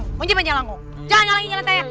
jangan kalahin jelangkung